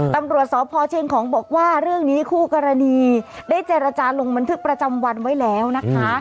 ตำรวจสพเชียงของบอกว่าเรื่องนี้คู่กรณีได้เจรจาลงบันทึกประจำวันไว้แล้วนะคะ